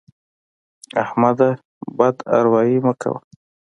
احمده! بد اروايي مه کوه.